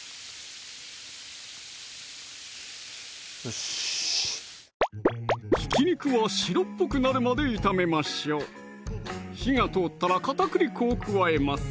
よしひき肉は白っぽくなるまで炒めましょう火が通ったら片栗粉を加えます